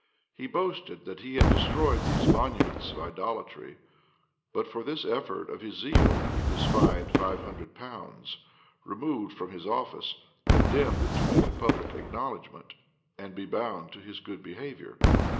He boasted that he had destroyed these monuments of idolatry: but for this effort of his zeal, he was fined five hundred pounds, removed from his office, condemned to make a public acknowledgment, and be bound to his good behavior.